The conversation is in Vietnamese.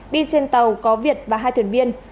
đi trên tàu có việt và hai thuyền viên